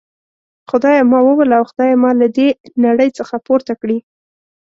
خدایه ما ووله او خدایه ما له دي نړۍ څخه پورته کړي.